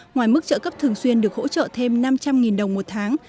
ngoài mức trợ cấp thường xuyên được hỗ trợ thêm năm trăm linh đồng một tháng